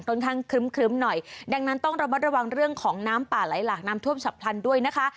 ค่อนข้างครึ้มหน่อยดังนั้นต้องระมัดระวังเรื่องของน้ำป่าไหลหลากน้ำท่วมฉับพลันด้วยนะคะ